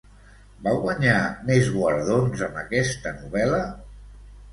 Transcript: Va guanyar més guardons amb aquesta novel·la?